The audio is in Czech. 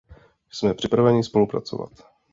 Jsme připraveni spolupracovat.